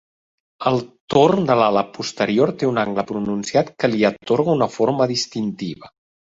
El torn de l'ala posterior té un angle pronunciat que li atorga una forma distintiva.